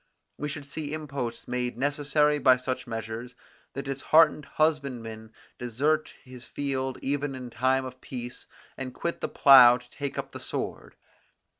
We should see imposts made necessary by such measures, the disheartened husbandman desert his field even in time of peace, and quit the plough to take up the sword.